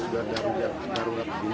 warga di sementara ini kita mengamankan